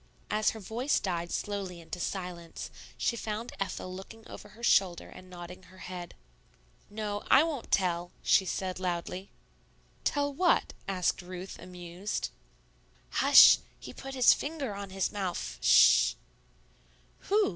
As her voice died slowly into silence, she found Ethel looking over her shoulder and nodding her head. "No; I won't tell," she said loudly. "Tell what?" asked Ruth, amused. "Hush! He put his finger on his mouf sh!" "Who?"